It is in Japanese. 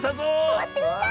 さわってみたい！